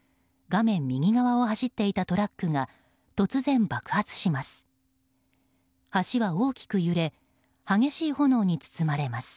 画面右側を走っていたトラックが突然爆発します。